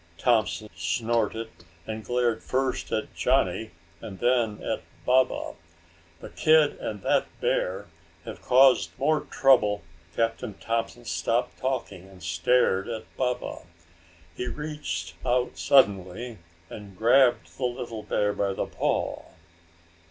Thompson snorted, and glared first at Johnny and then at Baba. "The kid and that bear have caused more trouble...." Captain Thompson stopped talking and stared at Baba. He reached out suddenly and grabbed the little bear by the paw.